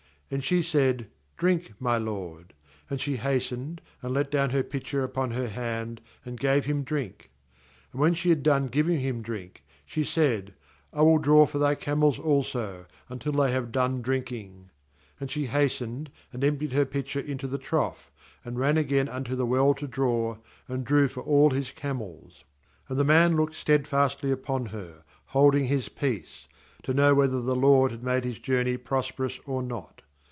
18And she said: 'Drink, my lord'; and she hastened, and let down her pitcher upon her hand, and gave him drink. 19And when she had done giving lum drink, she said: 'I will draw for thy camels also, until •In&tr InovrOk r\f\ nn rltnYilrii i/v ' 20Av.sJ «!»*» they have done »That is, Mesopotamia 26 she GENESIS 24.44 hastened, and emptied her jpitcher into the trough, and ran again unto the well to draw, and drew for all his camels. aAna the man looked sted fastly on her; holding his peace, to know whether the LORD had made his journey prosperous or not.